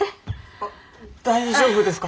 あっ大丈夫ですか？